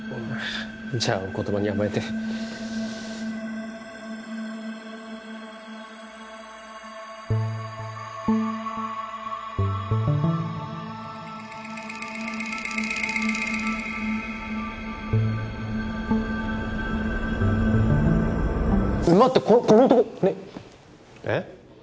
じゃあお言葉に甘えて待ってこのこの男ねっえっ？